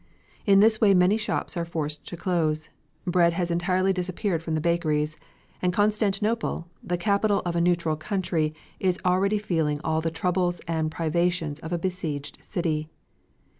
In this way many shops are forced to close, bread has entirely disappeared from the bakeries, and Constantinople, the capital of a neutral country, is already feeling all the troubles and privations of a besieged city.